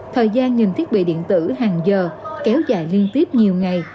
thời gian nhìn thiết bị điện tử hàng giờ kéo dài liên tiếp nhiều ngày